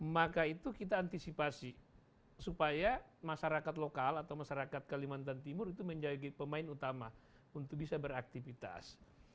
maka itu kita antisipasi supaya masyarakat lokal atau masyarakat kalimantan timur itu menjadi pemain utama untuk bisa beraktivitas